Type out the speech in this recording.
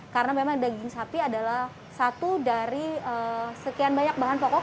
karena memang daging sapi adalah satu dari sekian banyak bahan pokok